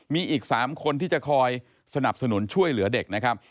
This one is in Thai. มีอีก๓คนที่จะคอยสนับสนุนช่วยเหลือเด็กนะครับ